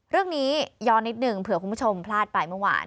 เรื่องนี้ย้อนนิดหนึ่งเผื่อคุณผู้ชมพลาดไปเมื่อวาน